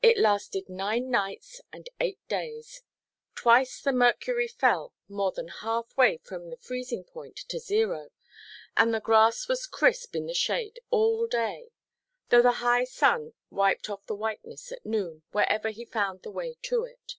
It lasted nine nights and eight days; twice the mercury fell more than half way from the freezing point to zero, and the grass was crisp in the shade all day, though the high sun wiped off the whiteness at noon wherever he found the way to it.